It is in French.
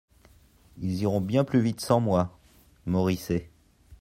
Ils iront bien plus vite sans moi." Moricet .